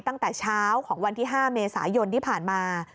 ตั้งแต่เช้าของวันที่๕เมษายนที่ผ่านมา